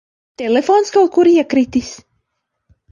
Telefons kaut kur iekritis.